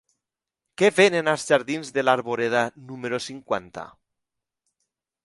Què venen als jardins de l'Arboreda número cinquanta?